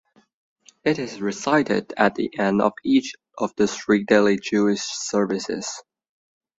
It is recited at the end of each of the three daily Jewish services.